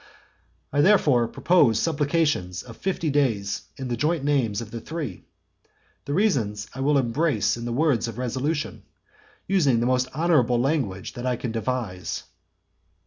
XI. I therefore propose supplications of fifty days in the joint names of the three. The reasons I will embrace in the words of the resolution, using the most honourable language that I can devise.